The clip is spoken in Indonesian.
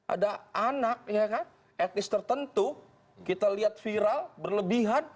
ada anak etnis tertentu kita lihat viral berlebihan